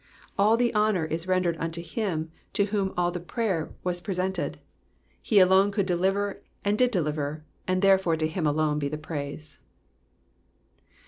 All the honour is rendered unto him to whom all the prayer was presented ; he alone could deliver and did deliver, and, therefore, to him only be the praise.